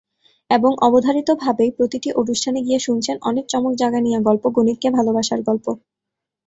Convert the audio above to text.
এবং অবধারিতভাবেই প্রতিটি অনুষ্ঠানে গিয়ে শুনছেন অনেক চমক-জাগানিয়া গল্প, গণিতকে ভালোবাসার গল্প।